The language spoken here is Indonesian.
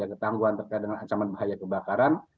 ketangguhan terkait dengan ancaman bahaya kebakaran